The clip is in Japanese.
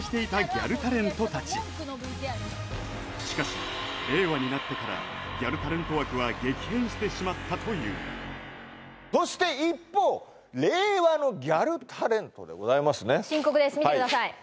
しかし令和になってからギャルタレント枠は激変してしまったというそして一方令和のギャルタレントでございますね深刻です見てください